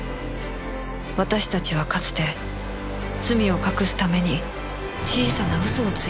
私たちはかつて罪を隠すために小さな嘘をついた